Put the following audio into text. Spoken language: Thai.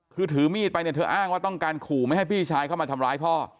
คือถือมีดไปเนี่ยเธออ้างว่าต้องการขู่ไม่ให้พี่ชายเข้ามาทำร้ายพ่อ